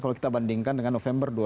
kalau kita bandingkan dengan november